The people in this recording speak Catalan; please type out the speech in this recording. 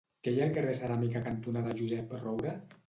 Què hi ha al carrer Ceràmica cantonada Josep Roura?